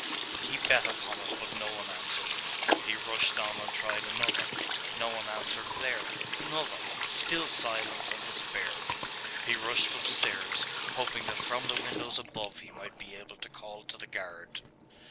He beat upon it but no one answered. He rushed on and tried another. No one answered there. Another still silence and despair!.... He rushed upstairs, hoping that from the windows above he might be able to call to the guard.